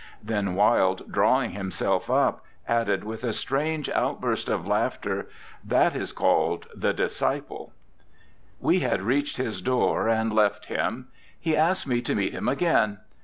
"' Then Wilde, drawing himself up, added with a strange outburst of laughter, 'That is called The Disciple.' We had reached his door, and left him. He asked me to meet him again.